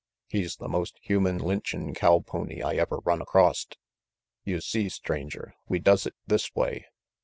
He's the most human lynchin' cow pony I ever run acrost. You see, Stranger, we does it this way.